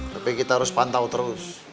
tapi kita harus pantau terus